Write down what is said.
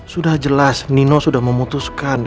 sudah jelas nino sudah memutuskan